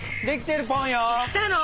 できてるポン。